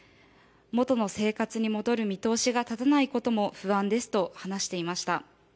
元の生活に戻る見通しが立たないことも不安ですと話していました。